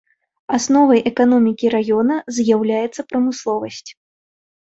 Асновай эканомікі раёна з'яўляецца прамысловасць.